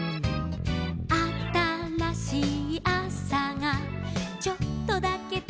「あたらしいあさがちょっとだけとくい顔」